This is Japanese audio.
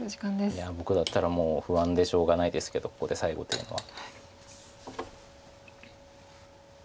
いや僕だったらもう不安でしょうがないですけどここで最後というのは。